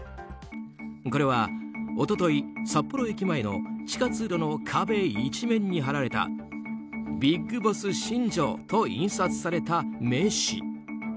これは一昨日、札幌駅前の地下通路の壁一面に貼られたビッグボス新庄と印刷された名刺。